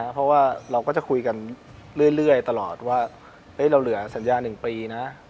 เพราะว่าเราก็จะคุยกันเรื่อยตลอดว่าเราเหลือสัญญา๑ปีนะ